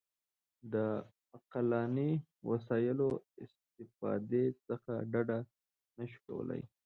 د عقلاني وسایلو استفادې څخه ډډه نه شو کولای.